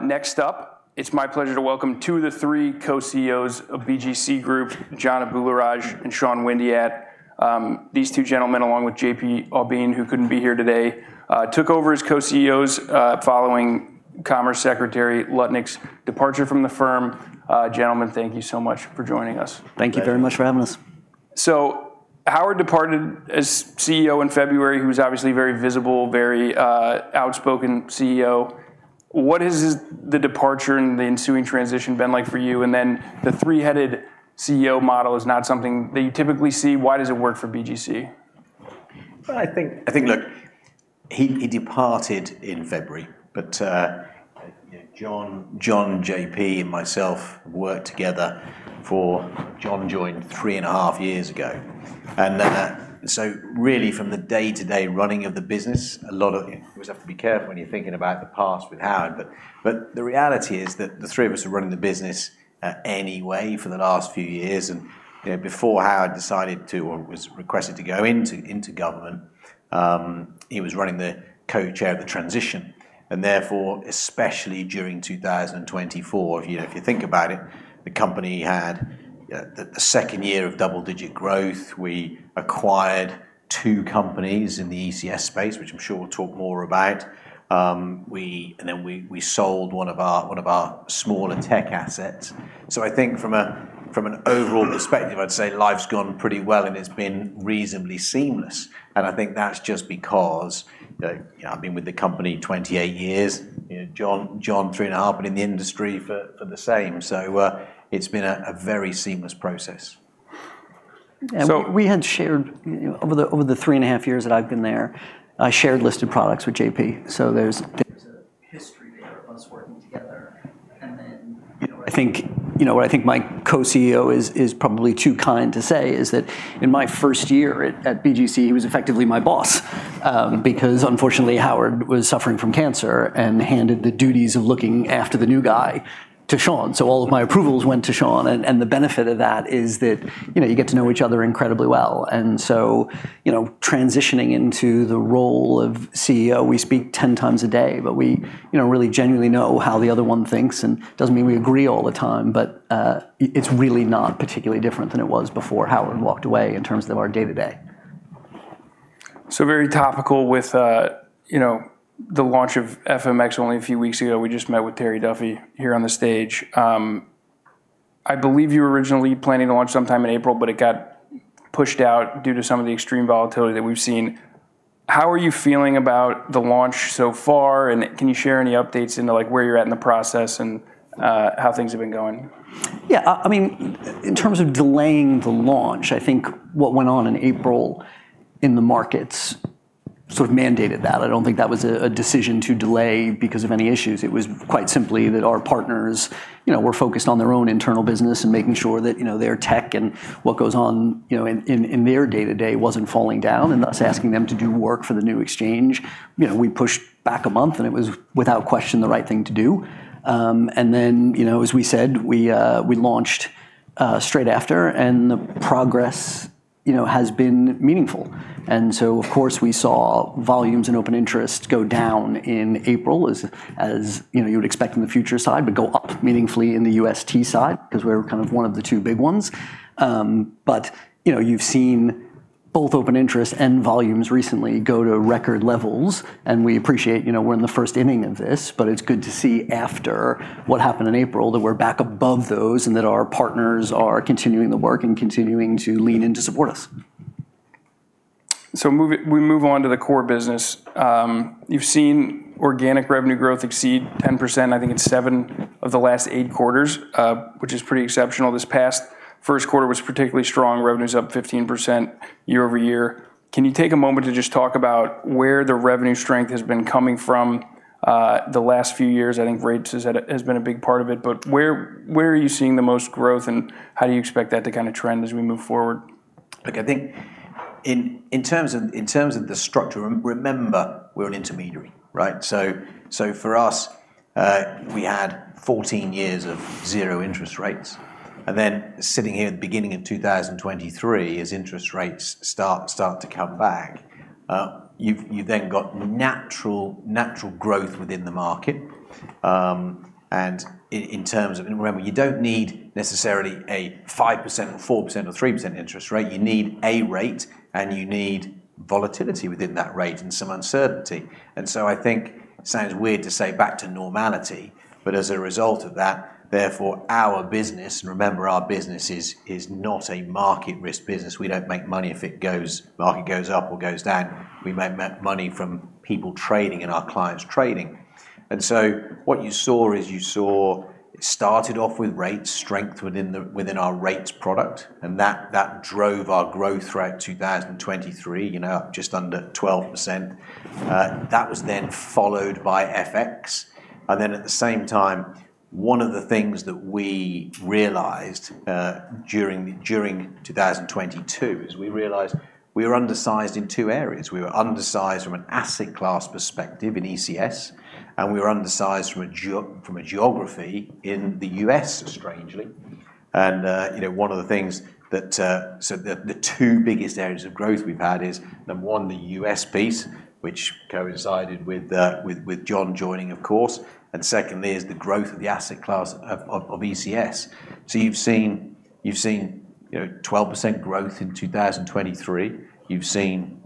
Next up, it's my pleasure to welcome to the three co-CEOs of BGC Group, John Abularrage and Sean Windeatt. These two gentlemen, along with JP Aubin, who couldn't be here today, took over as co-CEOs following Commerce Secretary Lutnick's departure from the firm. Gentlemen, thank you so much for joining us. Thank you very much for having us. So Howard departed as CEO in February. He was obviously a very visible, very outspoken CEO. What has the departure and the ensuing transition been like for you? And then the three-headed CEO model is not something that you typically see. Why does it work for BGC? I think, look, he departed in February, but John, JP, and myself worked together, for John joined three and a half years ago. And so really, from the day-to-day running of the business, a lot of you always have to be careful when you're thinking about the past with Howard. But the reality is that the three of us are running the business anyway for the last few years. And before Howard decided to, or was requested to go into government, he was running the co-chair of the transition. And therefore, especially during 2024, if you think about it, the company had a second year of double-digit growth. We acquired two companies in the ECS space, which I'm sure we'll talk more about. And then we sold one of our smaller tech assets. So I think from an overall perspective, I'd say life's gone pretty well and it's been reasonably seamless. And I think that's just because I've been with the company 28 years. John, three and a half, been in the industry for the same. So it's been a very seamless process. So we had shared, over the three and a half years that I've been there, I shared listed products with JP. So there's a history there of us working together. And then I think what my co-CEO is probably too kind to say is that in my first year at BGC, he was effectively my boss. Because unfortunately, Howard was suffering from cancer and handed the duties of looking after the new guy to Sean. So all of my approvals went to Sean. And the benefit of that is that you get to know each other incredibly well. And so transitioning into the role of CEO, we speak 10x a day, but we really genuinely know how the other one thinks. It doesn't mean we agree all the time, but it's really not particularly different than it was before Howard walked away in terms of our day-to-day. So very topical with the launch of FMX only a few weeks ago. We just met with Terry Duffy here on the stage. I believe you were originally planning to launch sometime in April, but it got pushed out due to some of the extreme volatility that we've seen. How are you feeling about the launch so far? And can you share any updates into where you're at in the process and how things have been going? Yeah, I mean, in terms of delaying the launch, I think what went on in April in the markets sort of mandated that. I don't think that was a decision to delay because of any issues. It was quite simply that our partners were focused on their own internal business and making sure that their tech and what goes on in their day-to-day wasn't falling down. And thus asking them to do work for the new exchange. We pushed back a month and it was without question the right thing to do. And then, as we said, we launched straight after and the progress has been meaningful. And so, of course, we saw volumes and open interest go down in April, as you would expect in the futures side, but go up meaningfully in the UST side because we're kind of one of the two big ones. But you've seen both open interest and volumes recently go to record levels. And we appreciate we're in the first inning of this, but it's good to see after what happened in April that we're back above those and that our partners are continuing the work and continuing to lean in to support us. So we move on to the core business. You've seen organic revenue growth exceed 10%. I think it's seven of the last eight quarters, which is pretty exceptional. This past first quarter was particularly strong. Revenue's up 15% year over year. Can you take a moment to just talk about where the revenue strength has been coming from the last few years? I think rates has been a big part of it. But where are you seeing the most growth and how do you expect that to kind of trend as we move forward? Look, I think in terms of the structure, remember we're an intermediary, right? So for us, we had 14 years of zero interest rates, and then sitting here at the beginning of 2023, as interest rates start to come back, you've then got natural growth within the market, and in terms of, remember, you don't need necessarily a 5%, 4%, or 3% interest rate. You need a rate and you need volatility within that rate and some uncertainty, and so I think it sounds weird to say back to normality, but as a result of that, therefore our business, and remember our business is not a market risk business. We don't make money if the market goes up or goes down. We make money from people trading and our clients trading, and so what you saw is you saw it started off with rate strength within our rates product. And that drove our growth throughout 2023, just under 12%. That was then followed by FX. And then at the same time, one of the things that we realized during 2022 is we realized we were undersized in two areas. We were undersized from an asset class perspective in ECS and we were undersized from a geography in the U.S., strangely. And one of the things that the two biggest areas of growth we've had is, number one, the U.S. piece, which coincided with John joining, of course. And secondly is the growth of the asset class of ECS. So you've seen 12% growth in 2023. You've seen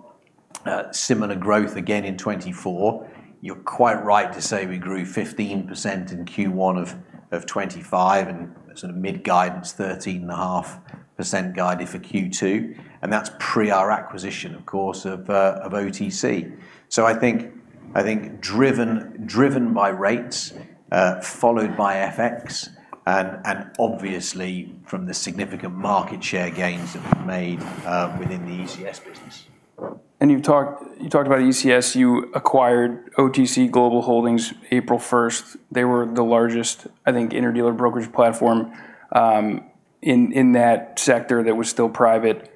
similar growth again in 2024. You're quite right to say we grew 15% in Q1 of 2025 and sort of mid-guidance 13.5% guided for Q2. And that's pre-our acquisition, of course, of OTC. So I think driven by rates, followed by FX, and obviously from the significant market share gains that we've made within the ECS business. And you talked about ECS. You acquired OTC Global Holdings April 1st. They were the largest, I think, interdealer brokerage platform in that sector that was still private.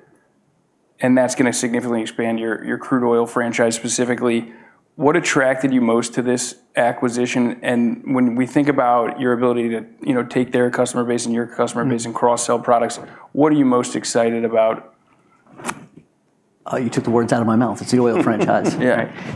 And that's going to significantly expand your crude oil franchise specifically. What attracted you most to this acquisition? And when we think about your ability to take their customer base and your customer base and cross-sell products, what are you most excited about? You took the words out of my mouth. It's the oil franchise.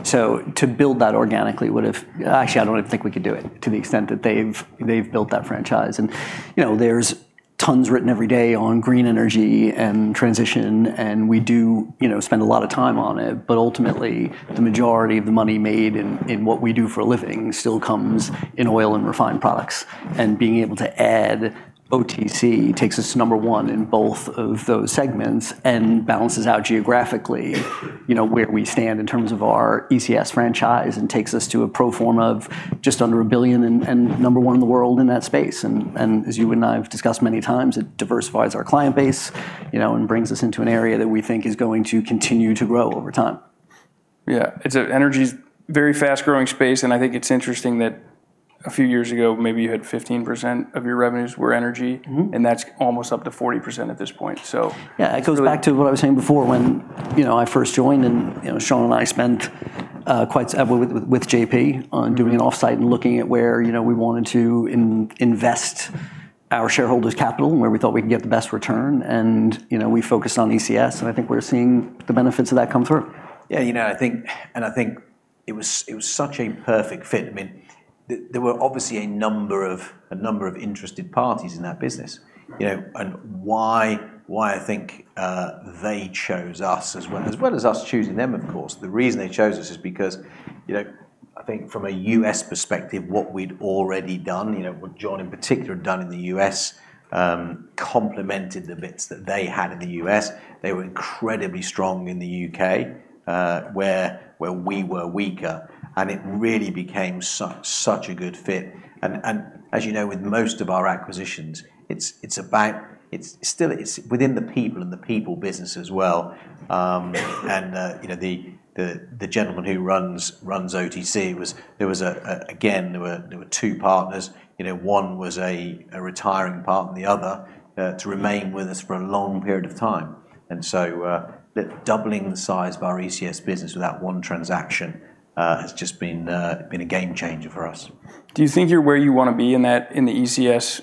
So to build that organically would have, actually, I don't even think we could do it to the extent that they've built that franchise. And there's tons written every day on green energy and transition, and we do spend a lot of time on it. But ultimately, the majority of the money made in what we do for a living still comes in oil and refined products. And being able to add OTC takes us to number one in both of those segments and balances out geographically where we stand in terms of our ECS franchise and takes us to a pro forma of just under a billion and number one in the world in that space. As you and I have discussed many times, it diversifies our client base and brings us into an area that we think is going to continue to grow over time. Yeah, it's an energy very fast-growing space. And I think it's interesting that a few years ago, maybe you had 15% of your revenues were energy. And that's almost up to 40% at this point. Yeah, it goes back to what I was saying before when I first joined. And Sean and I spent quite a bit with JP on doing an offsite and looking at where we wanted to invest our shareholders' capital, where we thought we could get the best return. And we focused on ECS. And I think we're seeing the benefits of that come through. Yeah, you know, I think, and I think it was such a perfect fit. I mean, there were obviously a number of interested parties in that business. And why I think they chose us, as well as us choosing them, of course, the reason they chose us is because I think from a U.S. perspective, what we'd already done, what John in particular had done in the U.S. complemented the bits that they had in the U.S. They were incredibly strong in the U.K., where we were weaker. And it really became such a good fit. And as you know, with most of our acquisitions, it's still within the people and the people business as well. And the gentleman who runs OTC, there was, again, there were two partners. One was a retiring partner, the other to remain with us for a long period of time. Doubling the size of our ECS business with that one transaction has just been a game changer for us. Do you think you're where you want to be in the ECS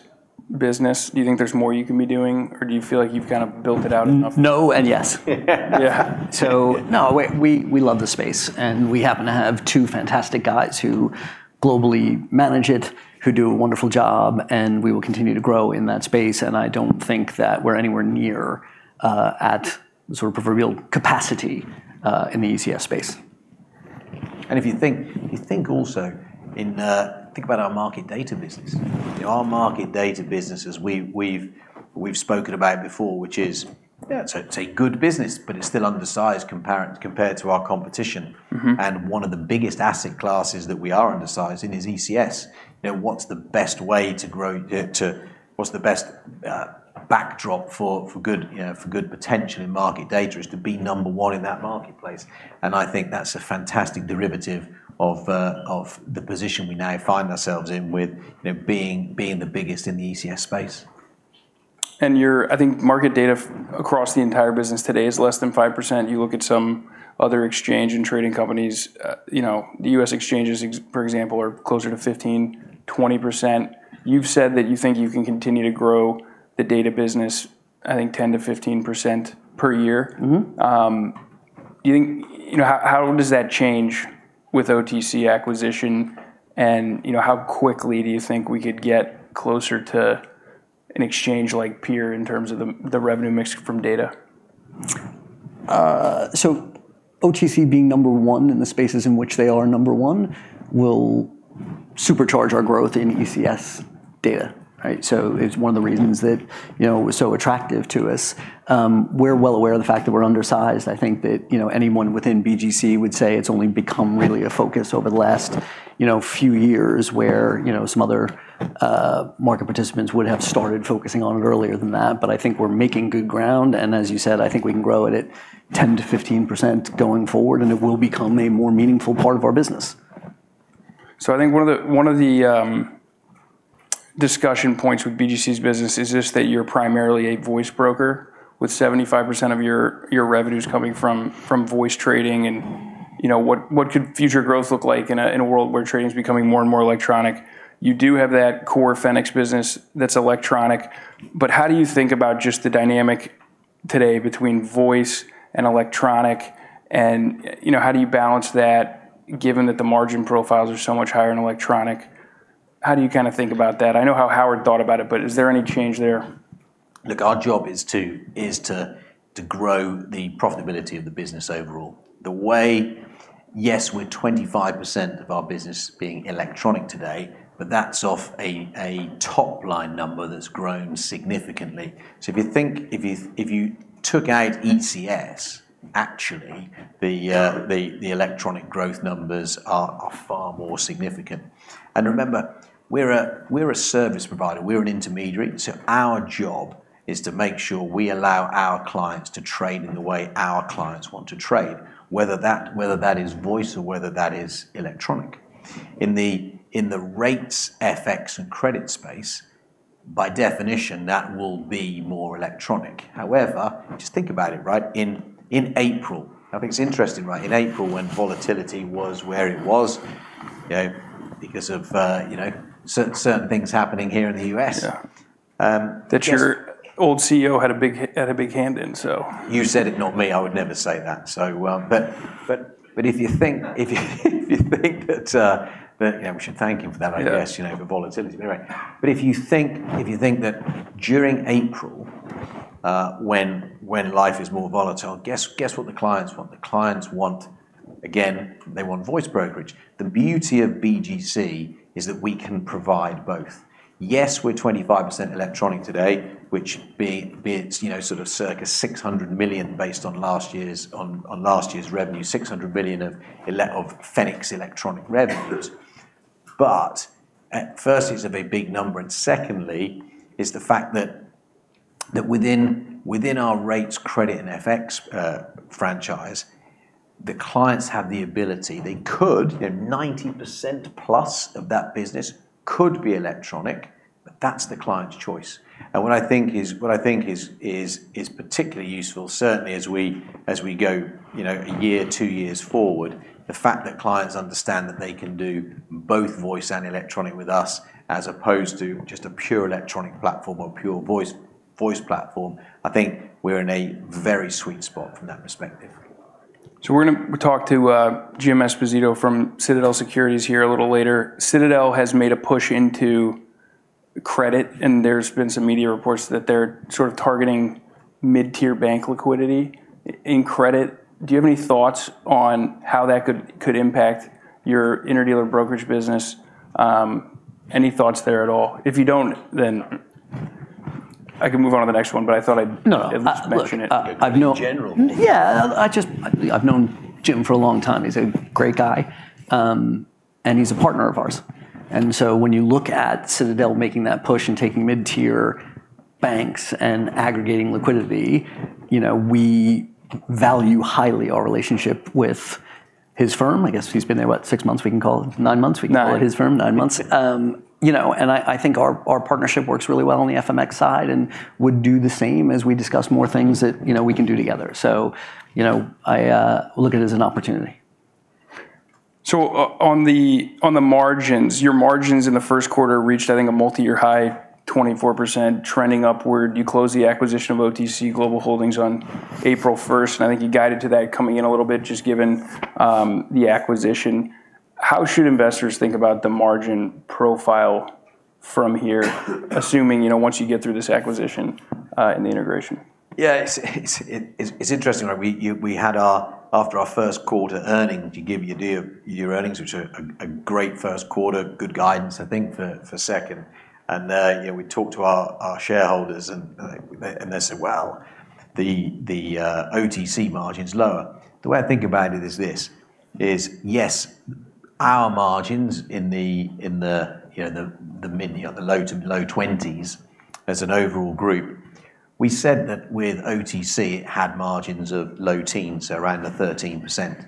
business? Do you think there's more you can be doing? Or do you feel like you've kind of built it out enough? No and yes. Yeah. So no, we love the space. And we happen to have two fantastic guys who globally manage it, who do a wonderful job. And we will continue to grow in that space. And I don't think that we're anywhere near at sort of proverbial capacity in the ECS space. If you think, also, I think about our market data business. Our market data business, as we've spoken about before, which is, yeah, it's a good business, but it's still undersized compared to our competition. One of the biggest asset classes that we are undersizing is ECS. What's the best way to grow? What's the best backdrop for good potential in market data is to be number one in that marketplace. I think that's a fantastic derivative of the position we now find ourselves in with being the biggest in the ECS space. Your, I think, market data across the entire business today is less than 5%. You look at some other exchange and trading companies. The U.S. exchanges, for example, are closer to 15%-20%. You've said that you think you can continue to grow the data business, I think, 10%-15% per year. Do you think how does that change with OTC acquisition, and how quickly do you think we could get closer to an exchange-like peer in terms of the revenue mix from data? OTC being number one in the spaces in which they are number one will supercharge our growth in ECS data. So it's one of the reasons that it was so attractive to us. We're well aware of the fact that we're undersized. I think that anyone within BGC would say it's only become really a focus over the last few years where some other market participants would have started focusing on it earlier than that. But I think we're making good ground. And as you said, I think we can grow at it 10%-15% going forward. And it will become a more meaningful part of our business. So I think one of the discussion points with BGC's business is this that you're primarily a voice broker with 75% of your revenues coming from voice trading. And what could future growth look like in a world where trading is becoming more and more electronic? You do have that core Fenics business that's electronic. But how do you think about just the dynamic today between voice and electronic? And how do you balance that given that the margin profiles are so much higher in electronic? How do you kind of think about that? I know how Howard thought about it, but is there any change there? Look, our job is to grow the profitability of the business overall. The way, yes, we're 25% of our business being electronic today, but that's off a top-line number that's grown significantly. So if you think, if you took out ECS, actually the electronic growth numbers are far more significant. And remember, we're a service provider. We're an intermediary. So our job is to make sure we allow our clients to trade in the way our clients want to trade, whether that is voice or whether that is electronic. In the rates, FX, and credit space, by definition, that will be more electronic. However, just think about it, right? In April, I think it's interesting, right? In April, when volatility was where it was because of certain things happening here in the U.S. That your old CEO had a big hand in, so. You said it, not me. I would never say that. But if you think that we should thank him for that, I guess, for volatility. But if you think that during April, when life is more volatile, guess what the clients want? The clients want, again, they want voice brokerage. The beauty of BGC is that we can provide both. Yes, we're 25% electronic today, which be it sort of circa $600 million based on last year's revenue, $600 million of Fenics electronic revenues. But first, it's a very big number. And secondly, it's the fact that within our rates, credit, and FX franchise, the clients have the ability they could, 90%+ of that business could be electronic. But that's the client's choice. What I think is particularly useful, certainly as we go a year, two years forward, the fact that clients understand that they can do both voice and electronic with us as opposed to just a pure electronic platform or pure voice platform. I think we're in a very sweet spot from that perspective. So we're going to talk to Jim Esposito from Citadel Securities here a little later. Citadel has made a push into credit. And there's been some media reports that they're sort of targeting mid-tier bank liquidity in credit. Do you have any thoughts on how that could impact your interdealer brokerage business? Any thoughts there at all? If you don't, then I can move on to the next one, but I thought I'd at least mention it. I've known Jim for a long time. He's a great guy, and he's a partner of ours. And so when you look at Citadel making that push and taking mid-tier banks and aggregating liquidity, we value highly our relationship with his firm. I guess he's been there, what, six months? We can call it nine months. We call it his firm, nine months, and I think our partnership works really well on the FMX side and would do the same as we discuss more things that we can do together, so I look at it as an opportunity. On the margins, your margins in the first quarter reached, I think, a multi-year high, 24%, trending upward. You closed the acquisition of OTC Global Holdings on April 1st. I think you guided to that coming in a little bit, just given the acquisition. How should investors think about the margin profile from here, assuming once you get through this acquisition and the integration? Yeah, it's interesting. We had, after our first quarter earnings, you give your earnings, which are a great first quarter, good guidance, I think, for second, and we talked to our shareholders and they said, well, the OTC margin's lower. The way I think about it is this: yes, our margins in the mid- to low-20s as an overall group. We said that with OTC, it had margins of low-teens, so around the 13%.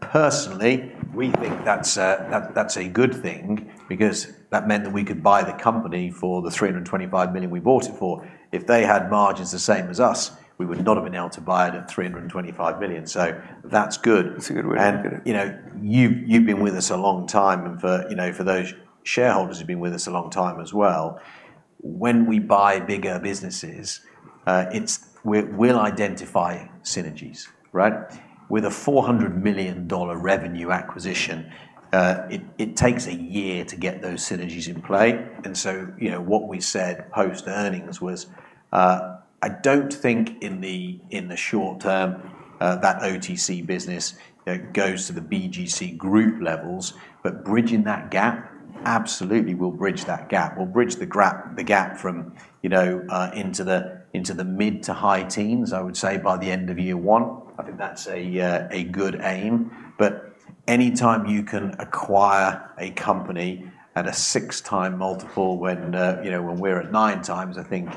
Personally, we think that's a good thing because that meant that we could buy the company for the $325 million we bought it for. If they had margins the same as us, we would not have been able to buy it at $325 million, so that's good. That's a good way to look at it. You've been with us a long time, and for those shareholders who've been with us a long time as well, when we buy bigger businesses, we'll identify synergies, right? With a $400 million revenue acquisition, it takes a year to get those synergies in play, and so what we said post-earnings was, I don't think in the short term that OTC business goes to the BGC Group levels. But bridging that gap, absolutely will bridge that gap. We'll bridge the gap from into the mid to high teens, I would say, by the end of year one. I think that's a good aim, but anytime you can acquire a company at a six-time multiple when we're at nine times, I think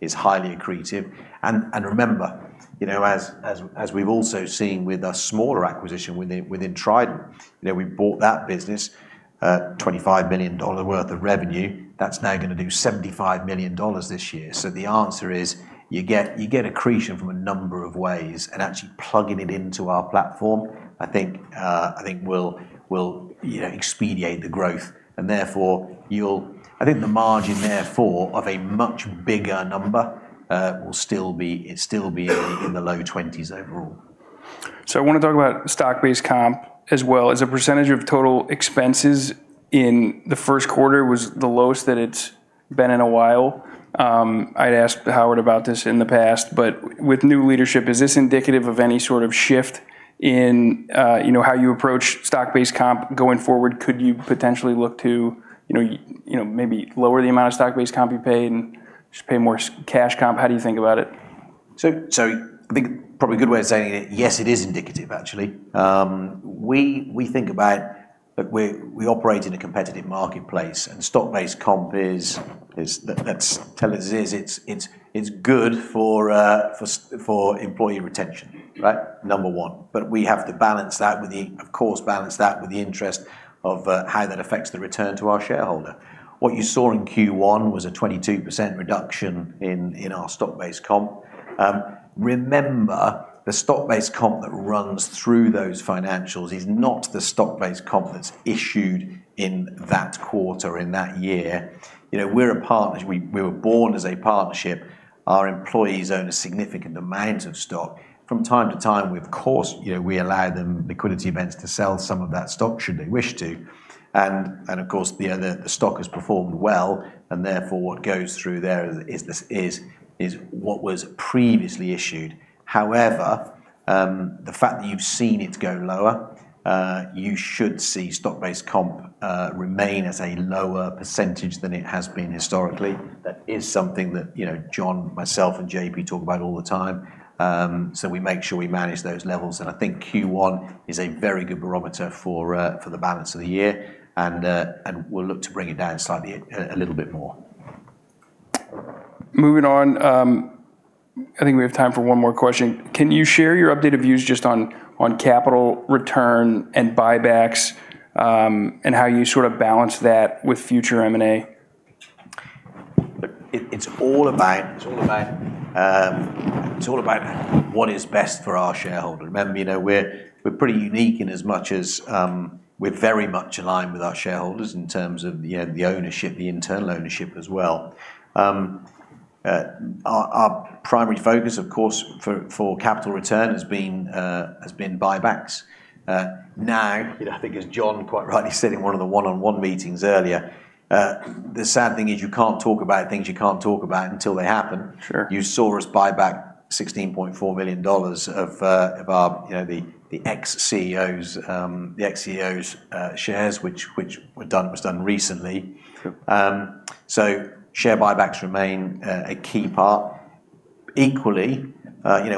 is highly accretive, and remember, as we've also seen with a smaller acquisition within Trident, we bought that business, $25 million worth of revenue. That's now going to do $75 million this year. So the answer is you get accretion from a number of ways. And actually plugging it into our platform, I think will expedite the growth. And therefore, I think the margin therefore of a much bigger number will still be in the low 20s overall. I want to talk about stock-based comp as well. Is the percentage of total expenses in the first quarter the lowest that it's been in a while? I had asked Howard about this in the past. With new leadership, is this indicative of any sort of shift in how you approach stock-based comp going forward? Could you potentially look to maybe lower the amount of stock-based comp you pay and just pay more cash comp? How do you think about it? So I think probably a good way of saying it, yes, it is indicative, actually. We think about, we operate in a competitive marketplace. And stock-based comp is, let's tell it as it is, it's good for employee retention, right? Number one. But we have to balance that with the, of course, balance that with the interest of how that affects the return to our shareholder. What you saw in Q1 was a 22% reduction in our stock-based comp. Remember, the stock-based comp that runs through those financials is not the stock-based comp that's issued in that quarter in that year. We're a partnership. We were born as a partnership. Our employees own a significant amount of stock. From time to time, of course, we allow them liquidity events to sell some of that stock should they wish to. And of course, the stock has performed well. And therefore, what goes through there is what was previously issued. However, the fact that you've seen it go lower, you should see stock-based comp remain as a lower percentage than it has been historically. That is something that John, myself, and JP talk about all the time. So we make sure we manage those levels. And I think Q1 is a very good barometer for the balance of the year. And we'll look to bring it down slightly a little bit more. Moving on, I think we have time for one more question. Can you share your updated views just on capital return and buybacks and how you sort of balance that with future M&A? It's all about what is best for our shareholders. Remember, we're pretty unique in as much as we're very much aligned with our shareholders in terms of the ownership, the internal ownership as well. Our primary focus, of course, for capital return has been buybacks. Now, I think as John quite rightly said in one of the one-on-one meetings earlier, the sad thing is you can't talk about things you can't talk about until they happen. You saw us buy back $16.4 million of the ex-CEO's shares, which was done recently. So share buybacks remain a key part. Equally,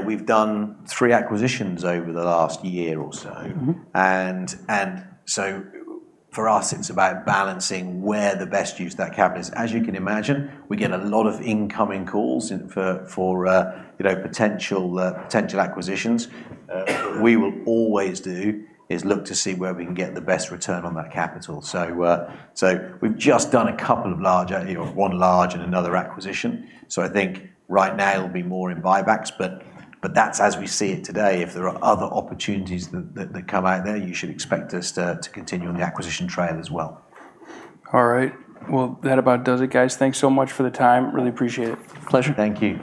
we've done three acquisitions over the last year or so. And so for us, it's about balancing where the best use that capital is. As you can imagine, we get a lot of incoming calls for potential acquisitions. What we will always do is look to see where we can get the best return on that capital. So we've just done a couple of large, one large and another acquisition. So I think right now it'll be more in buybacks. But that's as we see it today. If there are other opportunities that come out there, you should expect us to continue on the acquisition trail as well. All right. Well, that about does it, guys. Thanks so much for the time. Really appreciate it. Pleasure. Thank you.